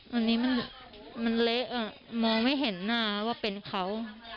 วันนี้มันเละมองไม่เห็นหน้าว่าเป็นเขา